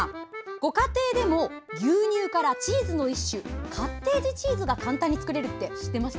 ご家庭でも牛乳からチーズの一種カッテージチーズが簡単に作れるって知ってました？